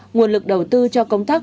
nguồn lực đầu tư cho công tác